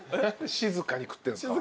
静かに食ってんすか。